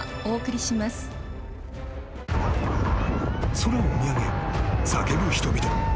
［空を見上げ叫ぶ人々。